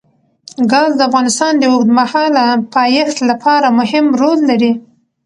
ګاز د افغانستان د اوږدمهاله پایښت لپاره مهم رول لري.